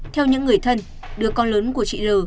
theo những người thân đứa con lớn của chị l